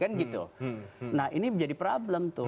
nah ini menjadi problem tuh